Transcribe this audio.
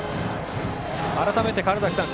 改めて、川原崎さん